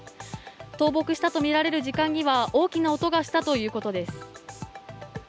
倒木したとみられる時間には、大きな音がしたということです。